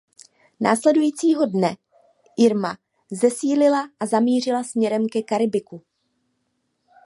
Následujícího dne Irma zesílila a zamířila směrem ke Karibiku.